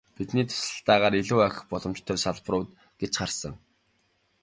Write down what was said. Бидний туслалцаатайгаар илүү ахих боломжтой салбарууд гэж харсан.